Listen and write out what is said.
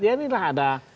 ya inilah ada